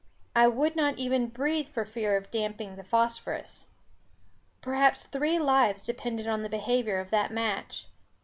I would not even breathe for fear of damping the phosphorus. Perhaps three lives depended on the behaviour of that match.